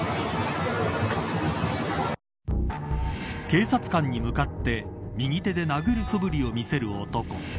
警察官に向かって右手で殴るそぶりを見せる男。